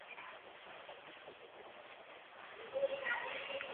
Müller byl ovšem také editorem a redaktorem.